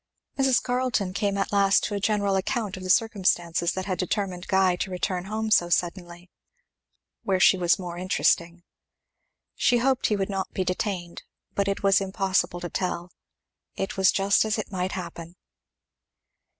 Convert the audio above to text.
Mrs. Carleton came at last to a general account of the circumstances that had determined Guy to return home so suddenly, where she was more interesting. She hoped he would not be detained, but it was impossible to tell. It was just as it might happen.